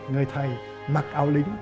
người thầy mặc áo lính